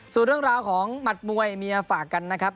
ส่วนเรื่องราวของหมัดมวยเมียฝากกันนะครับ